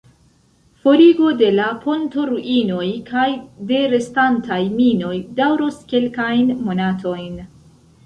Forigo de la pontoruinoj kaj de restantaj minoj daŭros kelkajn monatojn.